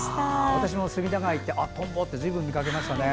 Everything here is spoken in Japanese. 私も隅田川に行ってトンボ、見かけましたね。